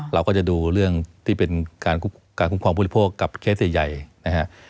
เราก็จะดูเรื่องที่เป็นการคุ้มครองบริโภคกับเคสใหญ่นะฮะ